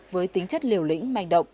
với tính chất liều lĩnh manh động